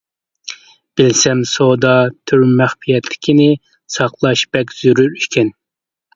بىلسەم، سودا، تۈر مەخپىيەتلىكىنى ساقلاش بەك زۆرۈر ئىكەن.